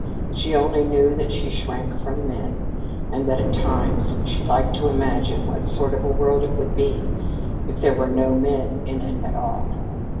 She only knew that she shrank from men, and that at times she liked to imagine what sort of a world it would be if there were no men in it at all.